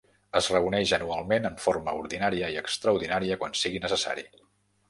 Es reuneix anualment en forma ordinària i extraordinària quan siga necessari.